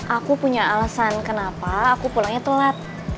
aku punya alasan kenapa aku pulangnya telat